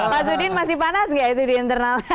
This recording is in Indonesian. mas udin masih panas nggak itu di internal